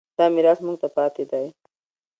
دا میراث موږ ته پاتې دی.